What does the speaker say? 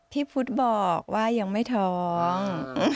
พุทธบอกว่ายังไม่ท้อง